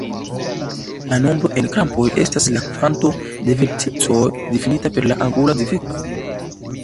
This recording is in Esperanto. La nombro en krampoj estas la kvanto de verticoj, difinita per la angula difekto.